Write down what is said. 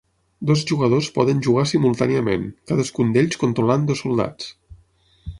Dos jugadors poden jugar simultàniament, cadascun d'ells controlant dos soldats.